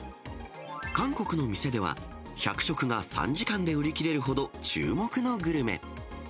韓国の店では、１００食が３時間で売り切れるほど、注目のグルメ。